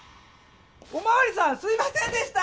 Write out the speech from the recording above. おまわりさんすいませんでした！